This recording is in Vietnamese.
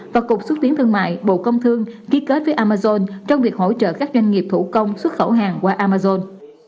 và cục xuất tiến thương mại bộ công thương ghi kết với amazon trong việc hỗ trợ các doanh nghiệp thủ công xuất khẩu hàng qua amazon